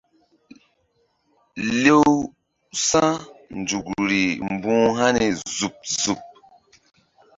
Lew sa̧nzukri mbu̧h hani zuɓ zuɓ.